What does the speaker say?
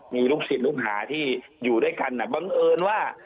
มีลูกศิษย์ลูกหาที่อยู่ด้วยกันบังเอิญว่า